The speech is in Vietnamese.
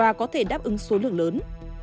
và có thể đáp ứng số lượng lớn